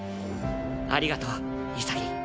ありがとう潔。